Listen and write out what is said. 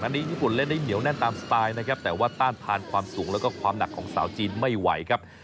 อันนี้ญี่ปุ่นเล่นได้เหนียวแน่นตามสไตล์นะครับแต่ว่าต้านทานความสูงแล้วก็ความหนักของสาวจีนไม่ไหวครับ